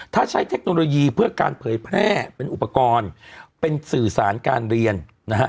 ถ้าใช้เทคโนโลยีเพื่อการเผยแพร่เป็นอุปกรณ์เป็นสื่อสารการเรียนนะฮะ